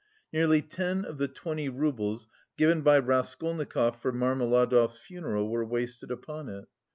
Nearly ten of the twenty roubles, given by Raskolnikov for Marmeladov's funeral, were wasted upon it.